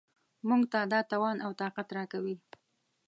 موږ ته دا توان او طاقت راکوي.